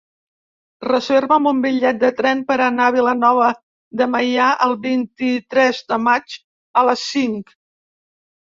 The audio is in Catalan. Reserva'm un bitllet de tren per anar a Vilanova de Meià el vint-i-tres de maig a les cinc.